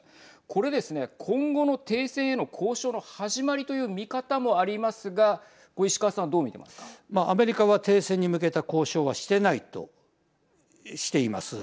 これですね、今後の停戦への交渉の始まりという見方もありますがこれ石川さんはアメリカは停戦に向けた交渉はしていないとしています。